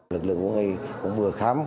lực lượng của người vừa khám